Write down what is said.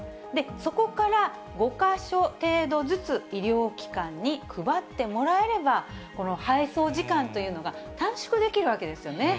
そこから５か所程度ずつ、医療機関に配ってもらえれば、この配送時間というのが短縮できるわけですよね。